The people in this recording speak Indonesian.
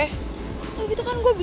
tadi itu kan gue bisa jalan sama mondi